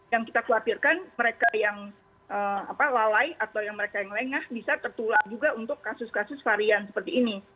yang kita khawatirkan mereka yang lalai atau yang mereka yang lengah bisa tertular juga untuk kasus kasus varian seperti ini